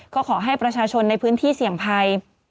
ก็ขอให้ประชาชนในพื้นที่เสี่ยงภัย